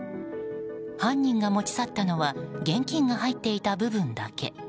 犯人が持ち去ったのは現金が入っていた部分だけ。